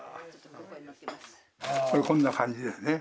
これこんな感じですね。